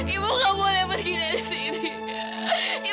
ibu gak boleh pergi dari sini